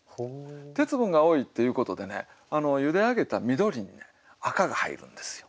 鉄分が多いっていうことでねゆで上げた緑に赤が入るんですよ。